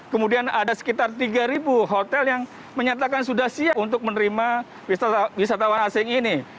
kemudian ada sekitar tiga hotel yang menyatakan sudah siap untuk menerima wisatawan asing ini